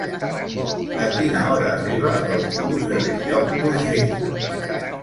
A quina hora arriba l'autobús de Bell-lloc d'Urgell?